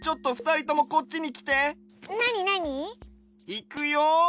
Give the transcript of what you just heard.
いくよ！